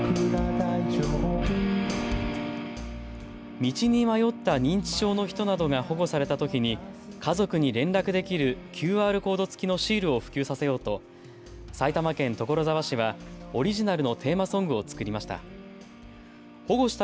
道に迷った認知症の人などが保護されたときに家族に連絡できるＱＲコード付きのシールを普及させようと埼玉県所沢市はオリジナルのテーマソングを作りました。